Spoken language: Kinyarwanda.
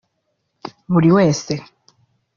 Buri wese